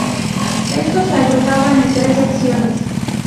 Éstos se agrupaban en tres secciones.